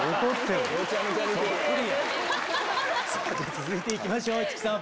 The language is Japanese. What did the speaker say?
続いて行きましょう市來さん。